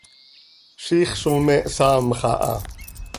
Ziix zo me hsaamx aha.